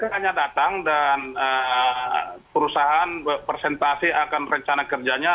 rencananya datang dan perusahaan presentasi akan rencana kerjanya